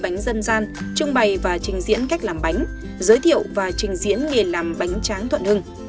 bánh dân gian trưng bày và trình diễn cách làm bánh giới thiệu và trình diễn nghề làm bánh tráng thuận hưng